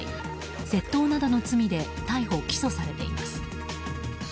窃盗などの罪で逮捕・起訴されています。